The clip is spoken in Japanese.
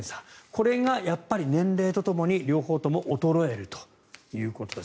これがやっぱり年齢とともに両方とも衰えるということです。